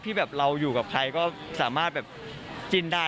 แบบเราอยู่กับใครก็สามารถแบบจิ้นได้